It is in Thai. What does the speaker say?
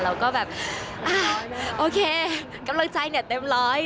แล้วก็แบบโอเคกำลังใจเต็มร้อย